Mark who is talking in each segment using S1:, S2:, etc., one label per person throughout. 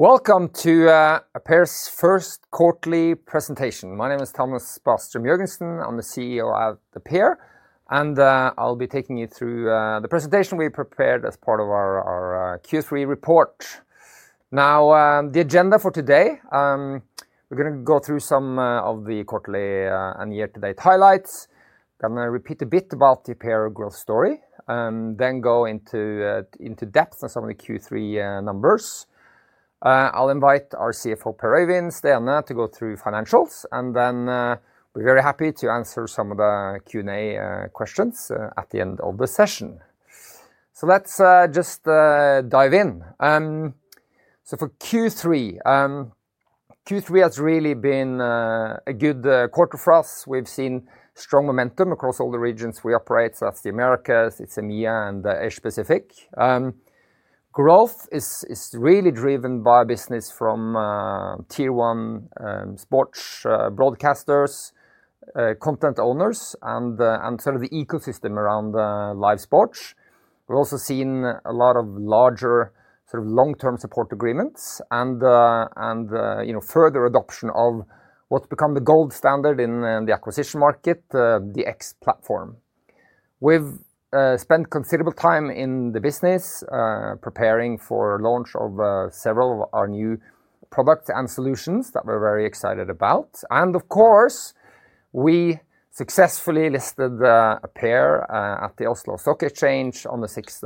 S1: Welcome to Appear's First Quarterly Presentation. My name is Thomas Bostrøm Jørgensen. I'm the CEO of Appear, and I'll be taking you through the presentation we prepared as part of our Q3 report. Now, the agenda for today: we're going to go through some of the quarterly and year-to-date highlights, going to repeat a bit about the Appear growth story, and then go into depth on some of the Q3 numbers. I'll invite our CFO, Per Øyvind Stene, to go through financials, and then we're very happy to answer some of the Q&A questions at the end of the session. Let's just dive in. For Q3, Q3 has really been a good quarter for us. We've seen strong momentum across all the regions we operate: South America, EMEA, and Asia-Pacific. Growth is really driven by business from Tier-1 sports broadcasters, content owners, and sort of the ecosystem around live sports. We've also seen a lot of larger sort of long-term support agreements and further adoption of what's become the gold standard in the acquisition market, the X Platform. We've spent considerable time in the business preparing for launch of several of our new products and solutions that we're very excited about. Of course, we successfully listed Appear at the Oslo Stock Exchange on the 6th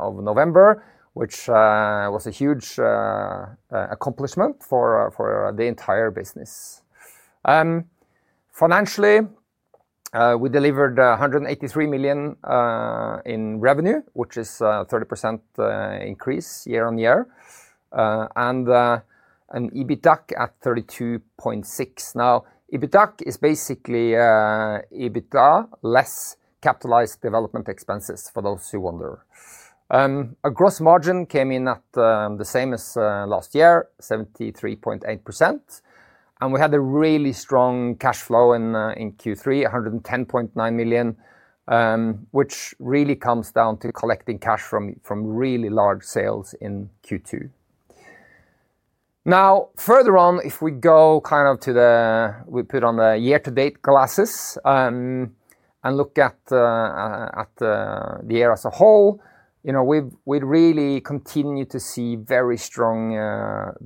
S1: of November, which was a huge accomplishment for the entire business. Financially, we delivered 183 million in revenue, which is a 30% increase year on year, and an EBITDA at 32.6 million. Now, EBITDA is basically EBITDA less capitalized development expenses, for those who wonder. Our gross margin came in at the same as last year, 73.8%, and we had a really strong cash flow in Q3, 110.9 million, which really comes down to collecting cash from really large sales in Q2. Now, further on, if we go kind of to the we put on the year-to-date glasses and look at the year as a whole, we really continue to see very strong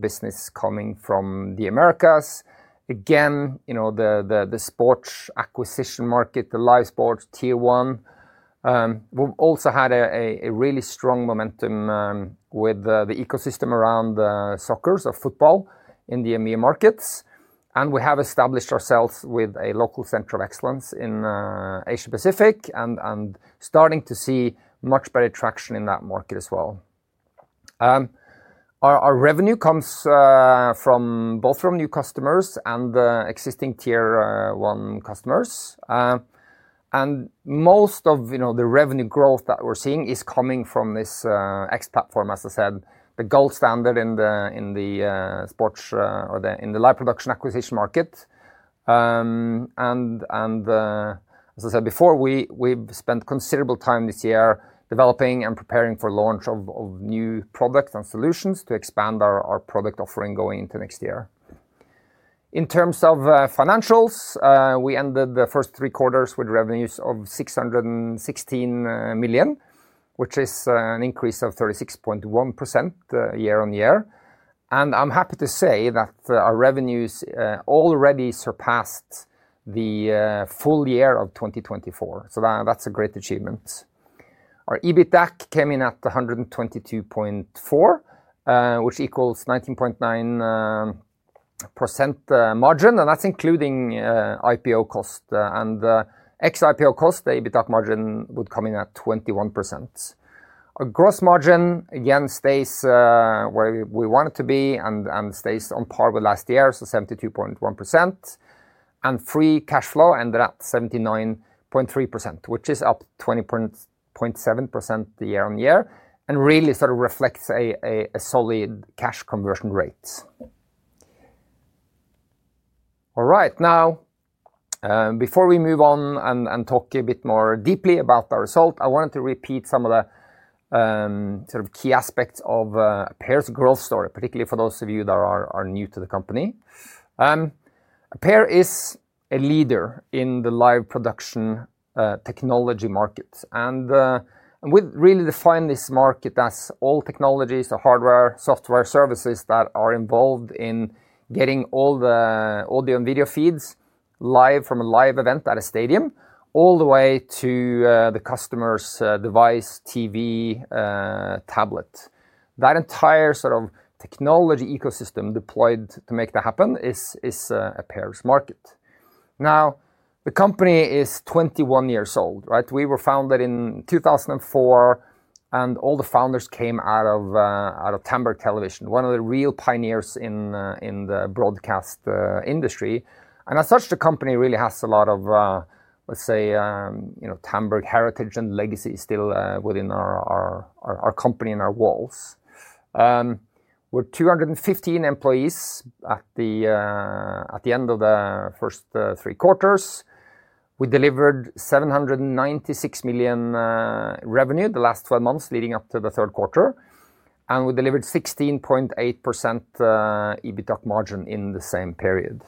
S1: business coming from the Americas. Again, the sports acquisition market, the live sports tier one, we've also had a really strong momentum with the ecosystem around soccer, so football, in the EMEA markets, and we have established ourselves with a local center of excellence in Asia-Pacific and starting to see much better traction in that market as well. Our revenue comes both from new customers and existing Tier-1 customers, and most of the revenue growth that we're seeing is coming from this X Platform, as I said, the gold standard in the sports or in the live production acquisition market. As I said before, we've spent considerable time this year developing and preparing for launch of new products and solutions to expand our product offering going into next year. In terms of financials, we ended the first three quarters with revenues of 616 million, which is an increase of 36.1% year on year, and I'm happy to say that our revenues already surpassed the full year of 2024, so that's a great achievement. Our EBITDA came in at 122.4 million, which equals a 19.9% margin, and that's including IPO cost, and ex-IPO cost, the EBITDA margin would come in at 21%. Our gross margin, again, stays where we want it to be and stays on par with last year, so 72.1%, and free cash flow ended at 79.3%, which is up 20.7% year on year, and really sort of reflects a solid cash conversion rate. All right, now, before we move on and talk a bit more deeply about our result, I wanted to repeat some of the sort of key aspects of Appear's growth story, particularly for those of you that are new to the company. Appear is a leader in the live production technology market, and we really define this market as all technologies, so hardware, software services that are involved in getting all the audio and video feeds live from a live event at a stadium all the way to the customer's device, TV, tablet. That entire sort of technology ecosystem deployed to make that happen is Appear's market. Now, the company is 21 years old, right? We were founded in 2004, and all the founders came out of Tandberg Television, one of the real pioneers in the broadcast industry, and as such, the company really has a lot of, let's say, Tandberg heritage and legacy still within our company and our walls. We're 215 employees at the end of the first three quarters. We delivered 796 million revenue the last 12 months leading up to the third quarter, and we delivered 16.8% EBITDA margin in the same period.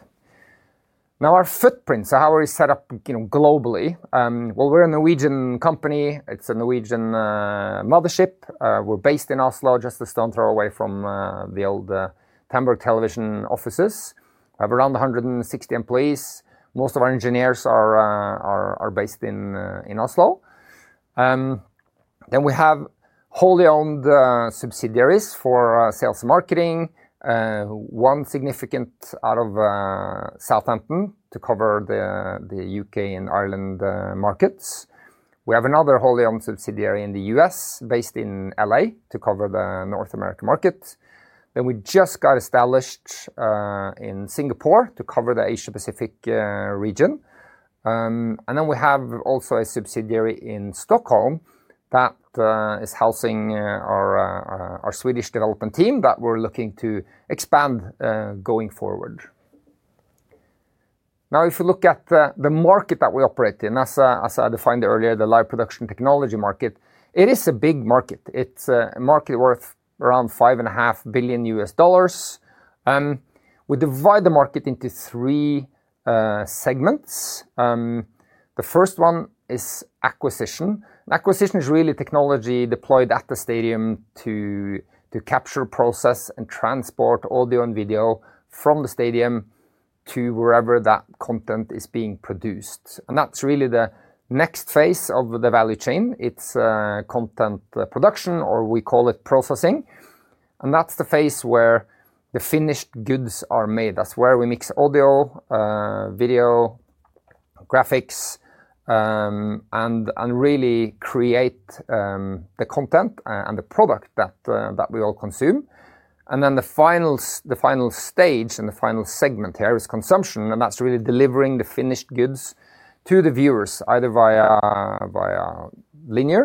S1: Now, our footprint, so how are we set up globally? We're a Norwegian company. It's a Norwegian mothership. We're based in Oslo, just a stone's throw away from the old Tandberg Television offices. We have around 160 employees. Most of our engineers are based in Oslo. We have wholly owned subsidiaries for sales and marketing, one significant out of Southampton to cover the U.K. and Ireland markets. We have another wholly owned subsidiary in the U.S. based in LA to cover the North American market. We just got established in Singapore to cover the Asia-Pacific region, and we also have a subsidiary in Stockholm that is housing our Swedish development team that we're looking to expand going forward. Now, if you look at the market that we operate in, as I defined earlier, the live production technology market, it is a big market. It's a market worth around $5.5 billion. We divide the market into three segments. The first one is acquisition. Acquisition is really technology deployed at the stadium to capture, process, and transport audio and video from the stadium to wherever that content is being produced. That's really the next phase of the value chain. It's content production, or we call it processing, and that's the phase where the finished goods are made. That's where we mix audio, video, graphics, and really create the content and the product that we all consume. The final stage and the final segment here is consumption, and that's really delivering the finished goods to the viewers, either via linear,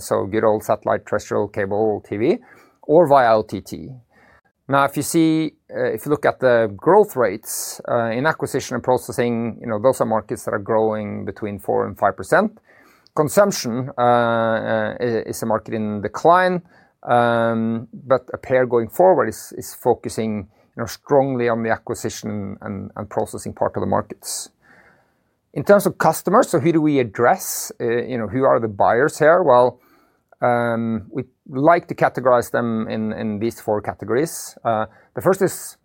S1: so good old satellite, terrestrial, cable, TV, or via LTT. Now, if you see, if you look at the growth rates in acquisition and processing, those are markets that are growing between 4% and 5%. Consumption is a market in decline, but Appear going forward is focusing strongly on the acquisition and processing part of the markets. In terms of customers, who do we address? Who are the buyers here? We like to categorize them in these four categories. The first is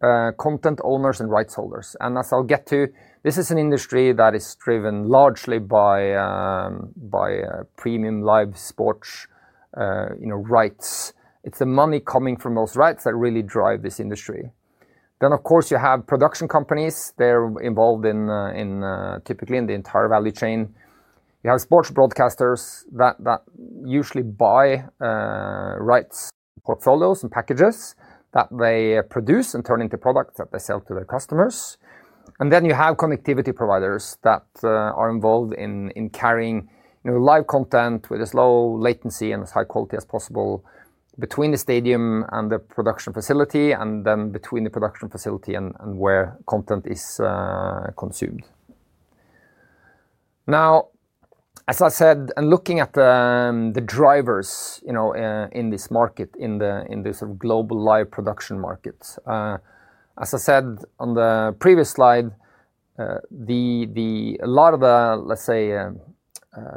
S1: content owners and rights holders, and as I'll get to, this is an industry that is driven largely by premium live sports rights. It's the money coming from those rights that really drive this industry. Of course, you have production companies. They're involved typically in the entire value chain. You have sports broadcasters that usually buy rights, portfolios, and packages that they produce and turn into products that they sell to their customers. You have connectivity providers that are involved in carrying live content with as low latency and as high quality as possible between the stadium and the production facility, and then between the production facility and where content is consumed. Now, as I said, looking at the drivers in this market, in this global live production market, as I said on the previous slide, a lot of the, let's say,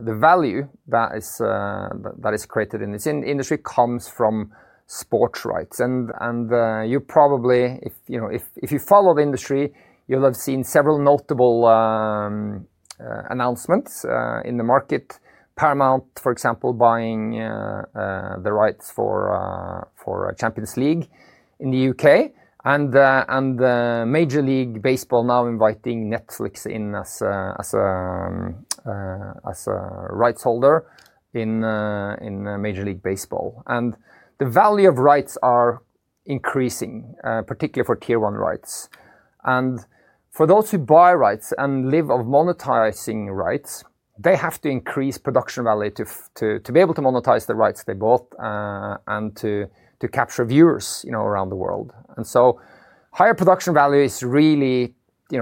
S1: the value that is created in this industry comes from sports rights, and you probably, if you follow the industry, you'll have seen several notable announcements in the market. Paramount, for example, buying the rights for Champions League in the U.K., and Major League Baseball now inviting Netflix in as a rights holder in Major League Baseball. The value of rights are increasing, particularly for Tier-1 rights. For those who buy rights and live off monetizing rights, they have to increase production value to be able to monetize the rights they bought and to capture viewers around the world. Higher production value is really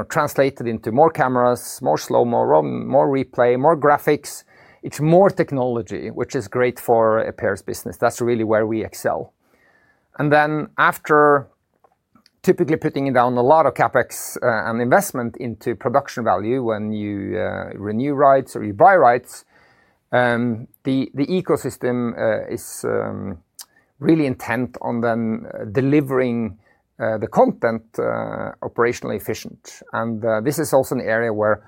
S1: translated into more cameras, more slow-mo, more replay, more graphics. It is more technology, which is great for Appear's business. That is really where we excel. After typically putting down a lot of CapEx and investment into production value when you renew rights or you buy rights, the ecosystem is really intent on then delivering the content operationally efficient, and this is also an area where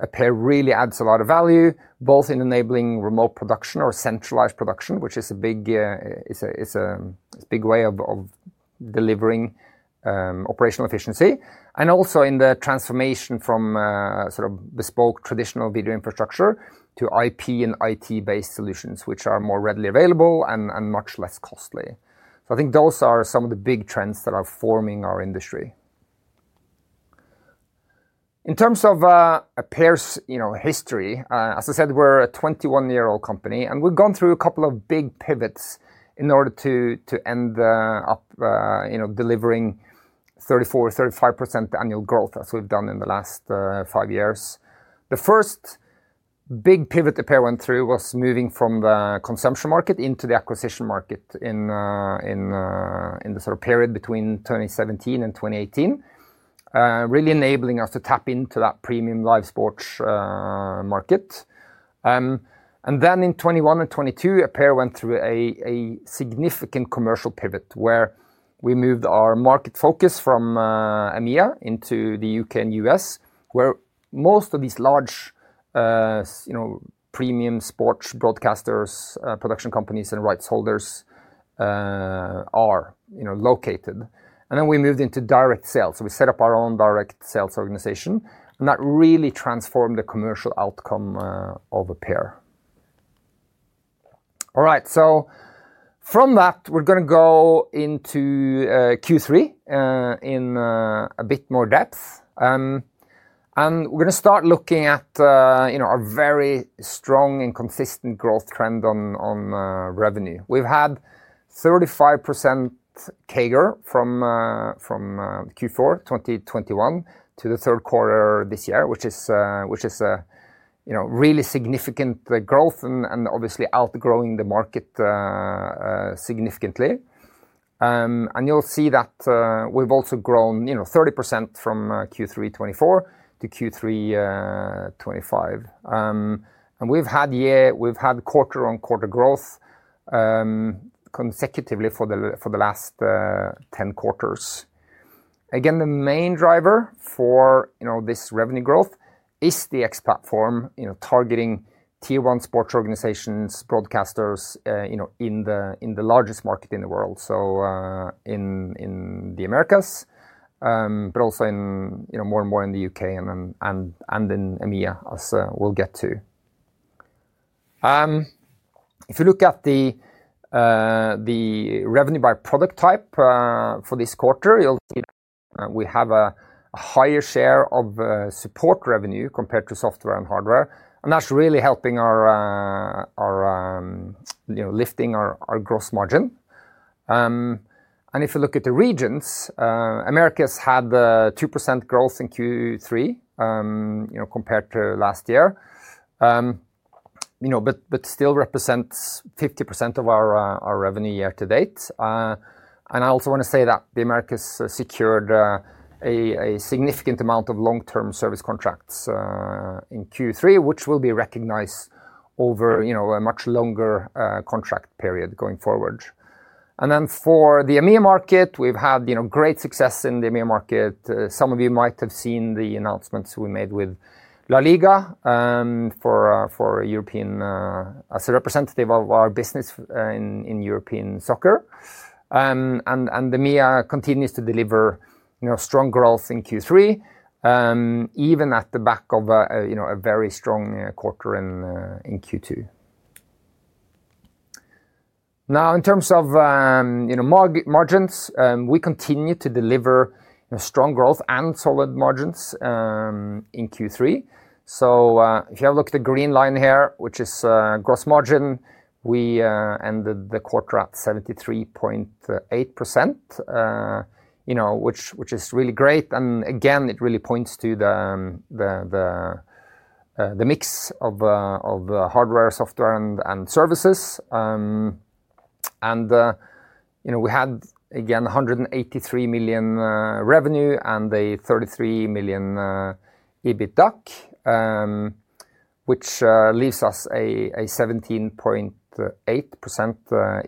S1: Appear really adds a lot of value, both in enabling remote production or centralized production, which is a big way of delivering operational efficiency, and also in the transformation from sort of bespoke traditional video infrastructure to IP and IT-based solutions, which are more readily available and much less costly. I think those are some of the big trends that are forming our industry. In terms of Appear's history, as I said, we're a 21-year-old company, and we've gone through a couple of big pivots in order to end up delivering 34%-35% annual growth as we've done in the last five years. The first big pivot Appear went through was moving from the consumption market into the acquisition market in the sort of period between 2017 and 2018, really enabling us to tap into that premium live sports market. Then in 2021 and 2022, Appear went through a significant commercial pivot where we moved our market focus from EMEA into the U.K. and U.S., where most of these large premium sports broadcasters, production companies, and rights holders are located. Then we moved into direct sales, so we set up our own direct sales organization, and that really transformed the commercial outcome of Appear. All right, from that, we are going to go into Q3 in a bit more depth, and we are going to start looking at our very strong and consistent growth trend on revenue. We've had 35% CAGR from Q4 2021 to the third quarter this year, which is really significant growth and obviously outgrowing the market significantly. You'll see that we've also grown 30% from Q3 2024 to Q3 2025, and we've had quarter-on-quarter growth consecutively for the last 10 quarters. Again, the main driver for this revenue growth is the X Platform targeting tier-one sports organizations, broadcasters in the largest market in the world, in the Americas, but also more and more in the U.K. and in EMEA, as we'll get to. If you look at the revenue by product type for this quarter, you'll see that we have a higher share of support revenue compared to software and hardware, and that's really helping our lifting our gross margin. If you look at the regions, America has had 2% growth in Q3 compared to last year, but still represents 50% of our revenue year to date. I also want to say that the Americas secured a significant amount of long-term service contracts in Q3, which will be recognized over a much longer contract period going forward. For the EMEA market, we've had great success in the EMEA market. Some of you might have seen the announcements we made with LaLiga as a representative of our business in European soccer, and EMEA continues to deliver strong growth in Q3, even at the back of a very strong quarter in Q2. In terms of margins, we continue to deliver strong growth and solid margins in Q3. If you have a look at the green line here, which is gross margin, we ended the quarter at 73.8%, which is really great, and again, it really points to the mix of hardware, software, and services. We had, again, 183 million revenue and a 33 million EBITDA, which leaves us a 17.8%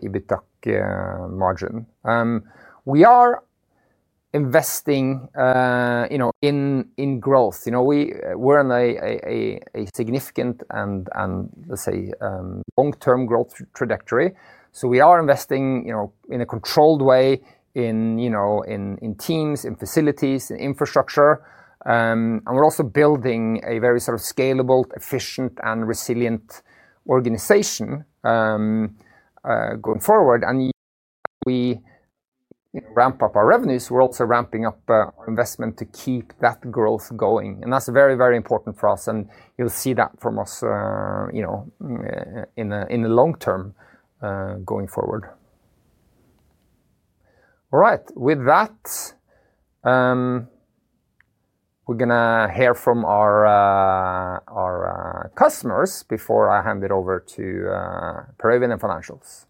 S1: EBITDA margin. We are investing in growth. We are in a significant and, let's say, long-term growth trajectory, so we are investing in a controlled way in teams, in facilities, in infrastructure, and we are also building a very sort of scalable, efficient, and resilient organization going forward. As we ramp up our revenues, we are also ramping up our investment to keep that growth going, and that is very, very important for us, and you will see that from us in the long term going forward. All right, with that, we're going to hear from our customers before I hand it over to Per Øyvind for Financials.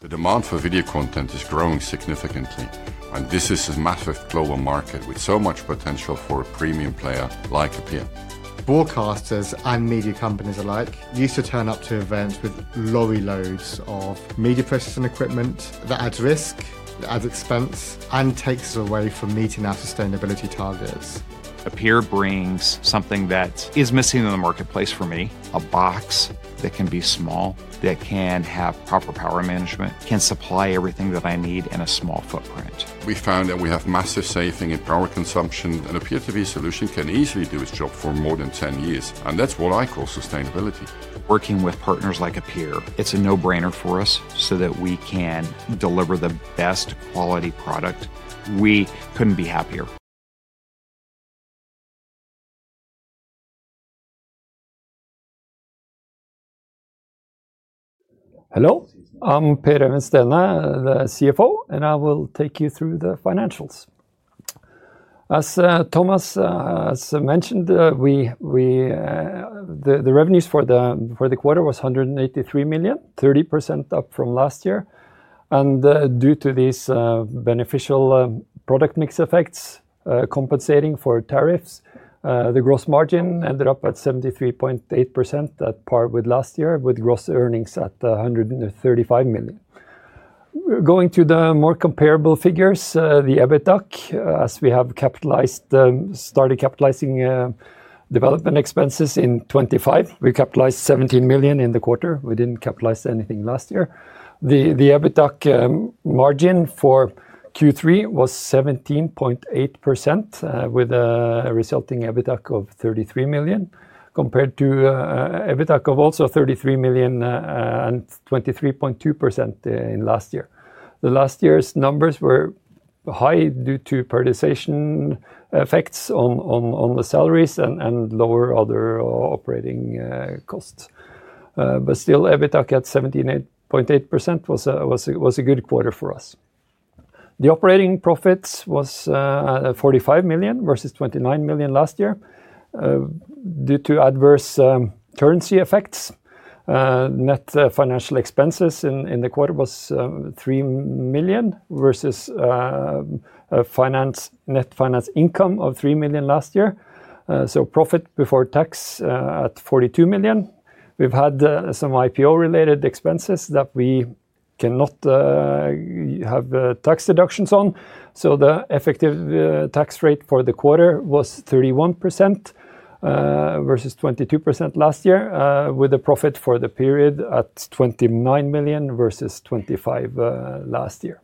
S2: The demand for video content is growing significantly, and this is a massive global market with so much potential for a premium player like Appear. Broadcasters and media companies alike used to turn up to events with lorry loads of media presses and equipment that adds risk, adds expense, and takes us away from meeting our sustainability targets. Appear brings something that is missing in the marketplace for me: a box that can be small, that can have proper power management, can supply everything that I need in a small footprint. We found that we have massive saving in power consumption, and Appear's solution can easily do its job for more than 10 years, and that's what I call sustainability. Working with partners like Appear, it's a no-brainer for us so that we can deliver the best quality product. We couldn't be happier.
S3: Hello, I'm Per Øyvind Stene, the CFO, and I will take you through the financials. As Thomas has mentioned, the revenues for the quarter was 183 million, 30% up from last year, and due to these beneficial product mix effects compensating for tariffs, the gross margin ended up at 73.8% at par with last year, with gross earnings at 135 million. Going to the more comparable figures, the EBITDA, as we have capitalized, started capitalizing development expenses in 2025. We capitalized 17 million in the quarter. We didn't capitalize anything last year. The EBITDA margin for Q3 was 17.8%, with a resulting EBITDA of 33 million compared to EBITDA of also 33 million and 23.2% last year. The last year's numbers were high due to prioritization effects on the salaries and lower other operating costs, but still, EBITDA at 17.8% was a good quarter for us. The operating profits was 45 million versus 29 million last year due to adverse currency effects. Net financial expenses in the quarter was 3 million versus net finance income of 3 million last year, so profit before tax at 42 million. We've had some IPO-related expenses that we cannot have tax deductions on, so the effective tax rate for the quarter was 31% versus 22% last year, with a profit for the period at 29 million versus 25 million last year.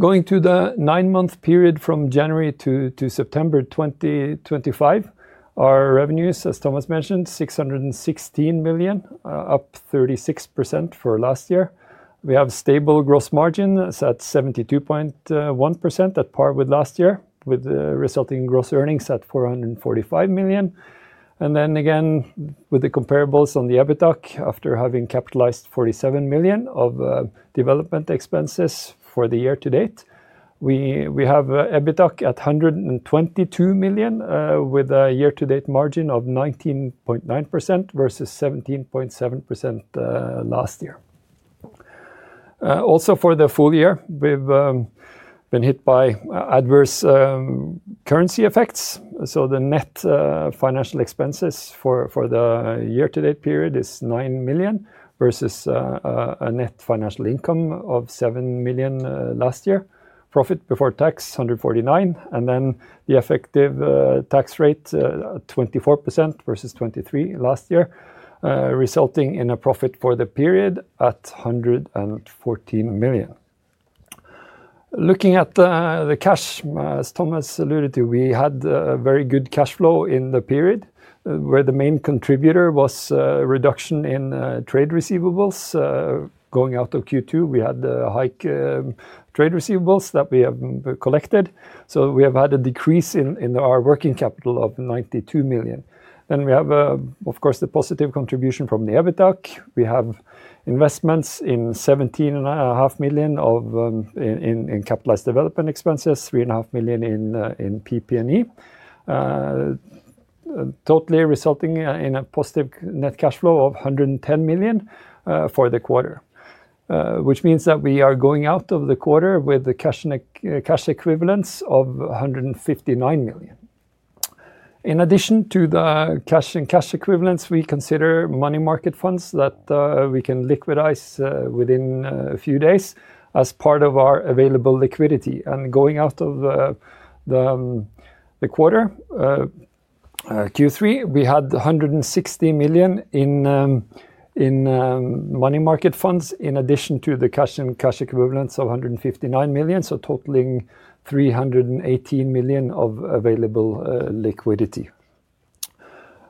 S3: Going to the nine-month period from January to September 2025, our revenues, as Thomas mentioned, 616 million, up 36% for last year. We have stable gross margins at 72.1% at par with last year, with resulting gross earnings at 445 million. With the comparables on the EBITDA, after having capitalized 47 million of development expenses for the year to date, we have EBITDA at 122 million, with a year-to-date margin of 19.9% versus 17.7% last year. Also, for the full year, we've been hit by adverse currency effects, so the net financial expenses for the year-to-date period is 9 million versus a net financial income of 7 million last year. Profit before tax 149 million, and then the effective tax rate 24% versus 23% last year, resulting in a profit for the period at 114 million. Looking at the cash, as Thomas alluded to, we had a very good cash flow in the period, where the main contributor was a reduction in trade receivables. Going out of Q2, we had a hike in trade receivables that we have collected, so we have had a decrease in our working capital of 92 million. We have, of course, the positive contribution from the EBITDA. We have investments in 17.5 million in capitalized development expenses, 3.5 million in PP&E, totally resulting in a positive net cash flow of 110 million for the quarter, which means that we are going out of the quarter with the cash equivalents of 159 million. In addition to the cash and cash equivalents, we consider money market funds that we can liquidize within a few days as part of our available liquidity. Going out of the quarter, Q3, we had 160 million in money market funds in addition to the cash and cash equivalents of 159 million, so totaling 318 million of available liquidity.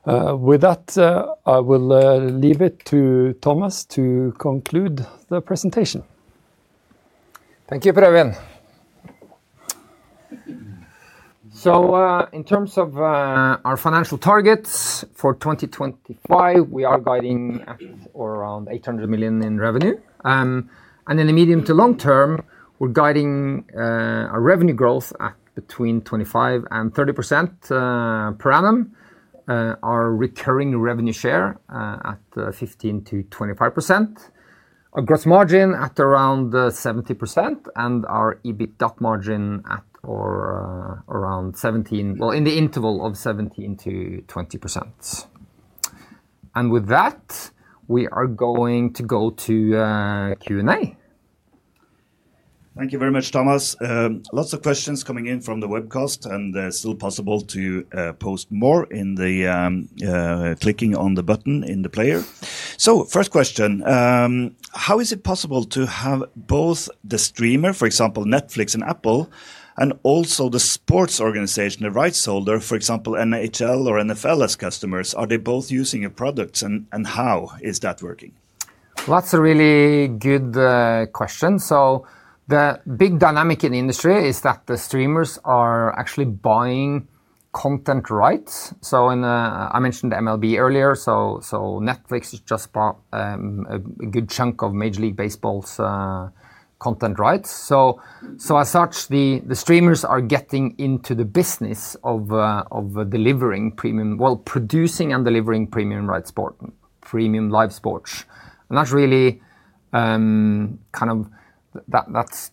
S3: With that, I will leave it to Thomas to conclude the presentation.
S1: Thank you, Per Øyvind. In terms of our financial targets for 2025, we are guiding around 800 million in revenue, and in the medium to long term, we're guiding our revenue growth at between 25%-30% per annum, our recurring revenue share at 15%-25%, our gross margin at around 70%, and our EBITDA margin at or around 17%, in the interval of 17%-20%. With that, we are going to go to Q&A.
S4: Thank you very much, Thomas. Lots of questions coming in from the webcast, and it's still possible to post more by clicking on the button in the player. First question, how is it possible to have both the streamer, for example, Netflix and Apple, and also the sports organization, the rights holder, for example, NHL or NFL, as customers? Are they both using your products, and how is that working?
S1: That's a really good question. The big dynamic in the industry is that the streamers are actually buying content rights. I mentioned MLB earlier, so Netflix just bought a good chunk of Major League Baseball's content rights. As such, the streamers are getting into the business of delivering premium, actually, producing and delivering premium live sports. That's really kind of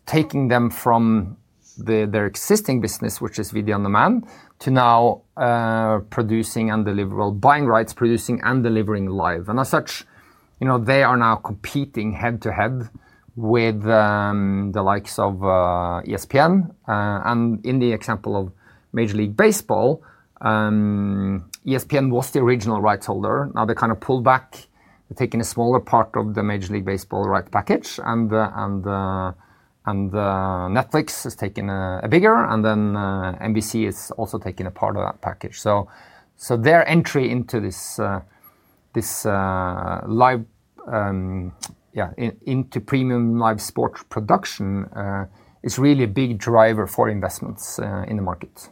S1: taking them from their existing business, which is video on demand, to now producing and delivering, actually, buying rights, producing and delivering live. As such, they are now competing head-to-head with the likes of ESPN. In the example of Major League Baseball, ESPN was the original rights holder. Now they're kind of pulled back, taking a smaller part of the Major League Baseball rights package, and Netflix is taking a bigger, and then NBC is also taking a part of that package. Their entry into this live, yeah, into premium live sports production is really a big driver for investments in the market.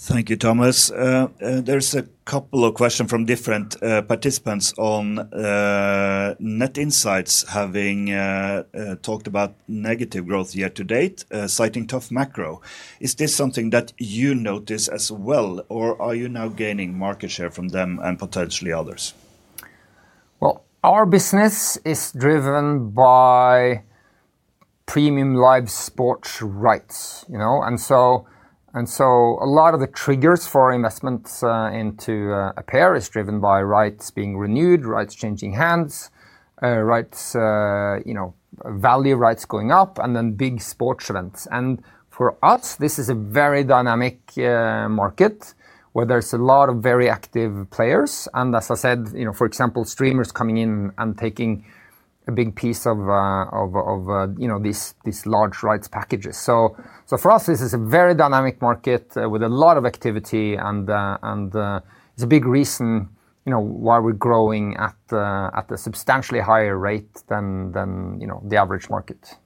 S4: Thank you, Thomas. There's a couple of questions from different participants on Net Insights, having talked about negative growth year to date, citing tough macro. Is this something that you notice as well, or are you now gaining market share from them and potentially others?
S1: Our business is driven by premium live sports rights. A lot of the triggers for investments into Appear are driven by rights being renewed, rights changing hands, rights, value rights going up, and then big sports events. For us, this is a very dynamic market where there are a lot of very active players. As I said, for example, streamers coming in and taking a big piece of these large rights packages. For us, this is a very dynamic market with a lot of activity, and it is a big reason why we are growing at a substantially higher rate than the average market.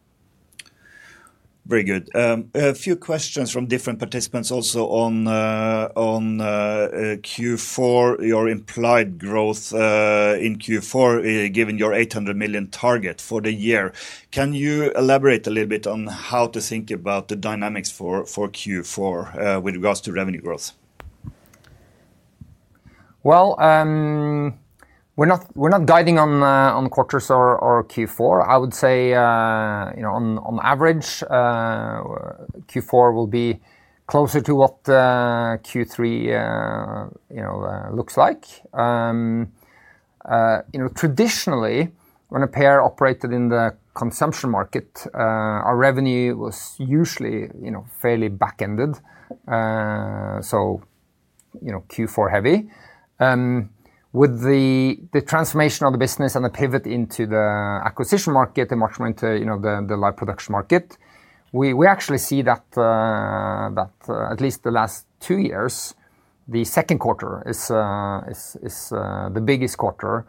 S4: Very good. A few questions from different participants also on Q4, your implied growth in Q4, given your 800 million target for the year. Can you elaborate a little bit on how to think about the dynamics for Q4 with regards to revenue growth?
S1: We are not guiding on quarters or Q4. I would say, on average, Q4 will be closer to what Q3 looks like. Traditionally, when Appear operated in the consumption market, our revenue was usually fairly back-ended, so Q4 heavy. With the transformation of the business and the pivot into the acquisition market and much more into the live production market, we actually see that, at least the last two years, the second quarter is the biggest quarter.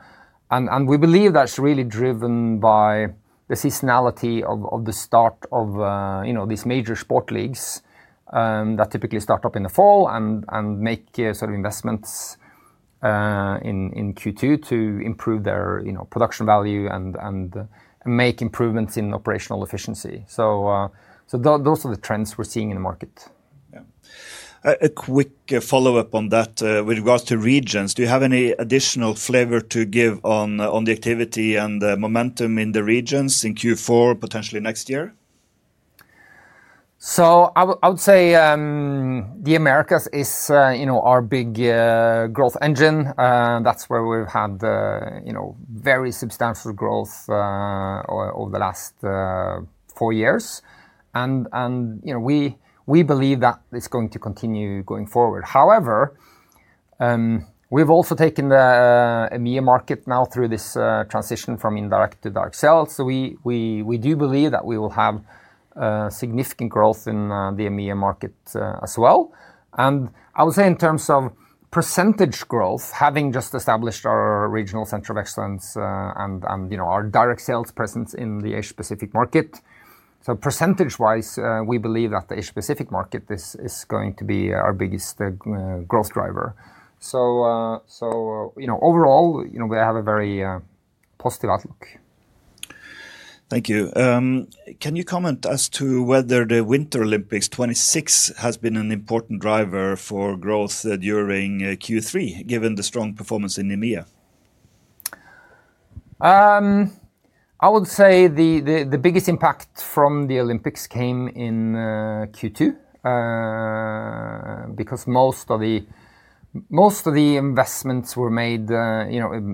S1: We believe that's really driven by the seasonality of the start of these major sport leagues that typically start up in the fall and make sort of investments in Q2 to improve their production value and make improvements in operational efficiency. Those are the trends we're seeing in the market.
S4: Yeah. A quick follow-up on that with regards to regions. Do you have any additional flavor to give on the activity and momentum in the regions in Q4, potentially next year?
S1: I would say the Americas is our big growth engine. That's where we've had very substantial growth over the last four years. We believe that it's going to continue going forward. However, we've also taken the EMEA market now through this transition from indirect to direct sales. We do believe that we will have significant growth in the EMEA market as well. I would say in terms of percentage growth, having just established our regional center of excellence and our direct sales presence in the Asia-Pacific market, percentage-wise, we believe that the Asia-Pacific market is going to be our biggest growth driver. Overall, we have a very positive outlook.
S4: Thank you. Can you comment as to whether the Winter Olympics 2026 has been an important driver for growth during Q3, given the strong performance in EMEA?
S1: I would say the biggest impact from the Olympics came in Q2 because most of the investments were made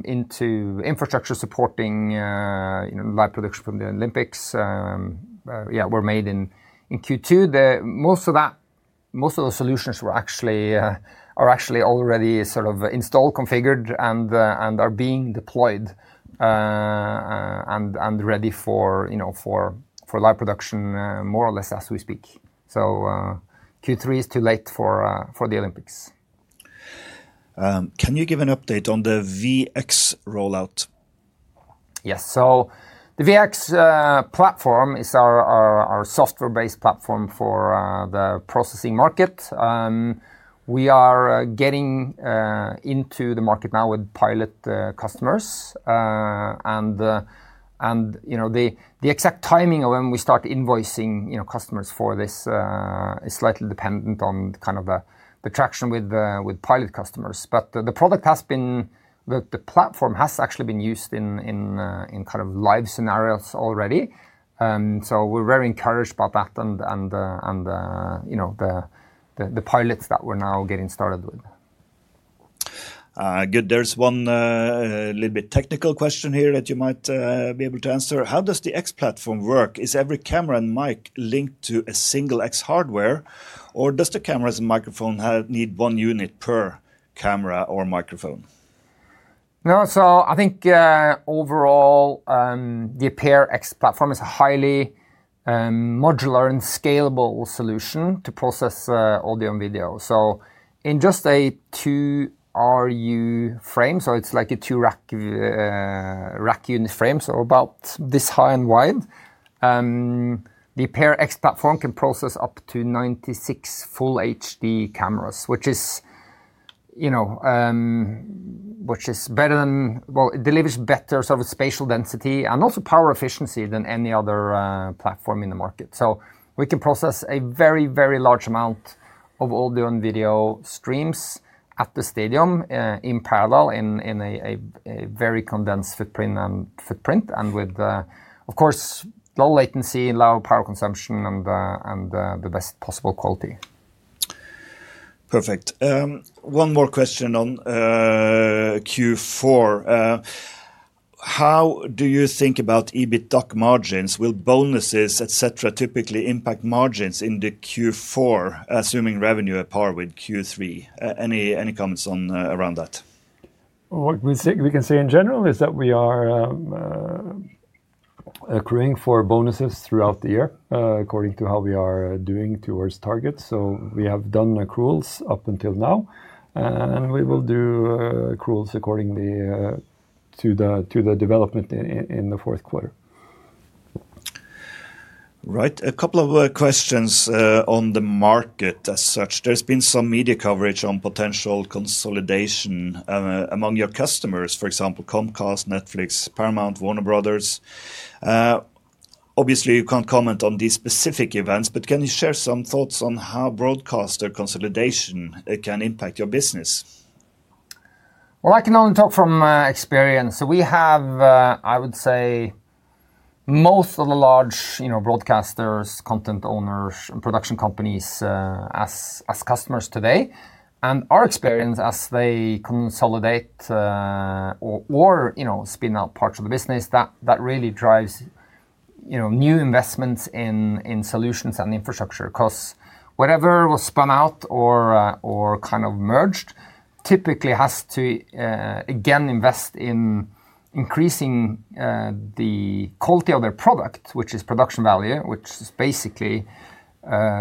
S1: into infrastructure supporting live production from the Olympics, yeah, were made in Q2. Most of the solutions are actually already sort of installed, configured, and are being deployed and ready for live production more or less as we speak. Q3 is too late for the Olympics.
S4: Can you give an update on the VX rollout?
S1: Yes. The VX platform is our software-based platform for the processing market. We are getting into the market now with pilot customers. The exact timing of when we start invoicing customers for this is slightly dependent on kind of the traction with pilot customers. The product has been, the platform has actually been used in kind of live scenarios already. We are very encouraged about that and the pilots that we are now getting started with.
S4: Good. There is one little bit technical question here that you might be able to answer. How does the X Platform work? Is every camera and mic linked to a single X hardware, or do the cameras and microphone need one unit per camera or microphone?
S1: No. I think overall, the Appear X Platform is a highly modular and scalable solution to process audio and video. In just a two RU frame, so it's like a two rack unit frame, so about this high and wide, the Appear X Platform can process up to 96 full HD cameras, which is better than, well, it delivers better sort of spatial density and also power efficiency than any other platform in the market. We can process a very, very large amount of audio and video streams at the stadium in parallel in a very condensed footprint and with, of course, low latency, low power consumption, and the best possible quality.
S4: Perfect. One more question on Q4. How do you think about EBITDA margins? Will bonuses, etc., typically impact margins in Q4, assuming revenue at par with Q3? Any comments around that?
S3: What we can say in general is that we are accruing for bonuses throughout the year according to how we are doing towards targets. We have done accruals up until now, and we will do accruals accordingly to the development in the fourth quarter.
S4: Right. A couple of questions on the market as such. There has been some media coverage on potential consolidation among your customers, for example, Comcast, Netflix, Paramount, Warner Brothers. Obviously, you can't comment on these specific events, but can you share some thoughts on how broadcaster consolidation can impact your business?
S1: I can only talk from experience. We have, I would say, most of the large broadcasters, content owners, and production companies as customers today. Our experience as they consolidate or spin out parts of the business, that really drives new investments in solutions and infrastructure because whatever was spun out or kind of merged typically has to again invest in increasing the quality of their product, which is production value, which is basically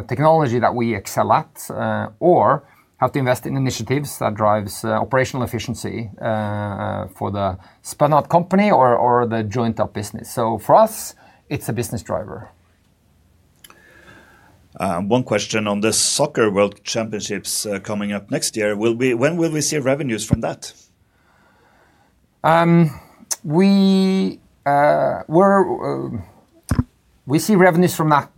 S1: technology that we excel at, or have to invest in initiatives that drive operational efficiency for the spun-out company or the joint-up business. For us, it's a business driver.
S4: One question on the soccer world championships coming up next year. When will we see revenues from that?
S1: We see revenues from that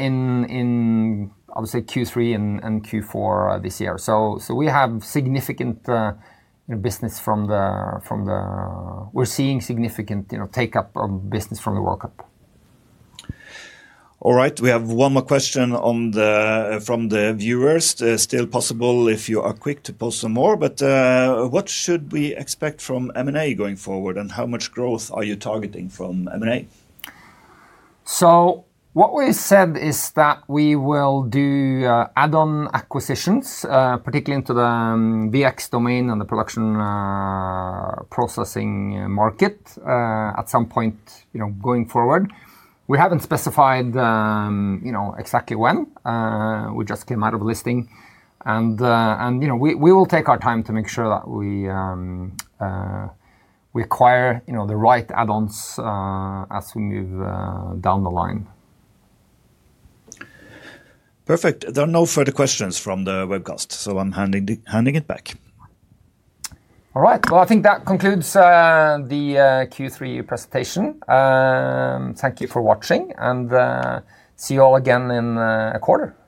S1: in, I would say, Q3 and Q4 this year. We have significant business from the, we're seeing significant take-up of business from the World Cup.
S4: All right. We have one more question from the viewers. Still possible if you are quick to post some more. What should we expect from M&A going forward, and how much growth are you targeting from M&A?
S1: What we said is that we will do add-on acquisitions, particularly into the VX domain and the production processing market at some point going forward. We haven't specified exactly when. We just came out of listing. We will take our time to make sure that we acquire the right add-ons as we move down the line.
S4: Perfect. There are no further questions from the webcast, so I'm handing it back.
S1: All right. I think that concludes the Q3 presentation. Thank you for watching, and see you all again in a quarter. Thank you.